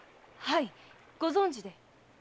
はいご存じで？